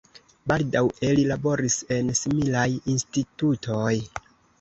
Baldaŭe li laboris en similaj institutoj.